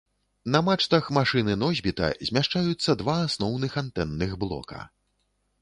На мачтах машыны-носьбіта змяшчаюцца два асноўных антэнных блока.